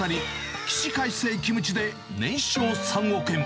起死回生キムチで年商３億円！